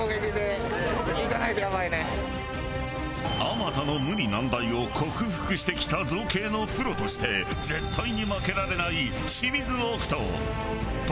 あまたの無理難題を克服してきた造形のプロとして絶対に負けられないシミズオクト。